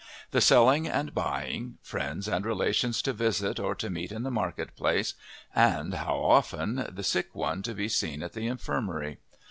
The selling and buying; friends and relations to visit or to meet in the market place, and how often! the sick one to be seen at the Infirmary.